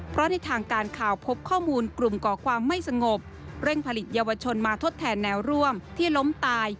เพราะในทางการข่าวพบข้อมูลกลุ่มก่อความไม่สงบเร่งผลิตเยาวชนมาทดแทนแนวร่วมที่ล้มตาย